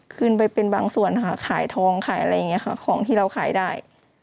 ขึ้นไปเป็นบางส่วนค่ะขายทองขายอะไรอย่างนี้ค่ะของที่เราขายได้